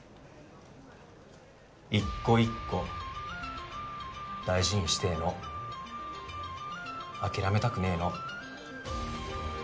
一個一個大事にしてえの諦めたくねえの